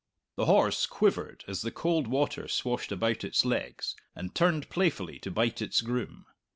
The horse quivered as the cold water swashed about its legs, and turned playfully to bite its groom.